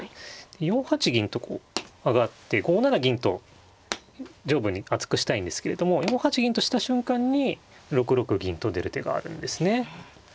４八銀とこう上がって５七銀と上部に厚くしたいんですけれども４八銀とした瞬間に６六銀と出る手があるんですね。